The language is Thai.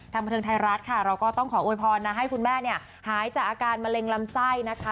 บันเทิงไทยรัฐค่ะเราก็ต้องขอโวยพรนะให้คุณแม่เนี่ยหายจากอาการมะเร็งลำไส้นะคะ